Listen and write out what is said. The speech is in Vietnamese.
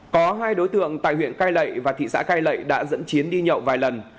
có hai đối tượng tại huyện cai lậy và thị xã cai lậy đã dẫn chiến đi nhậu vài lần